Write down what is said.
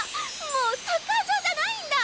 もうサッカー場じゃないんだ。